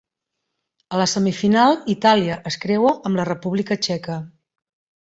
A la semifinal Itàlia es creua amb la República Txeca.